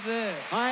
はい！